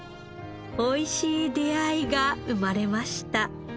おいしい出会いが生まれました。